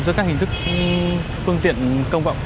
giữa các hình thức phương tiện công cộng